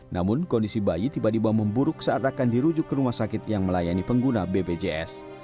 namun kondisi bayi tiba tiba memburuk saat akan dirujuk ke rumah sakit yang melayani pengguna bpjs